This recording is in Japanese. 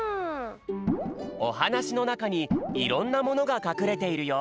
おはなしのなかにいろんなものがかくれているよ。